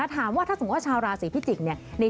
ถามว่าถ้าสมมุติว่าชาวราศีพิจิกษ์เนี่ย